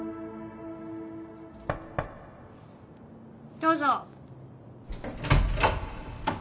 どうぞ。